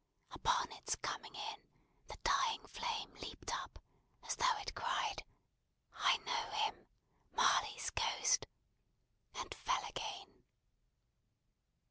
Upon its coming in, the dying flame leaped up, as though it cried, "I know him; Marley's Ghost!" and fell again.